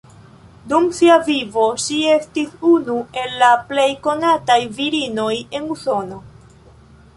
Dum sia vivo ŝi estis unu el la plej konataj virinoj en Usono.